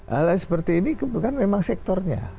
hal hal seperti ini kan memang sektornya